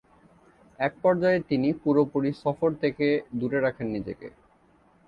এক পর্যায়ে তিনি পুরোপুরি সফর থেকে দূরে রাখেন নিজেকে।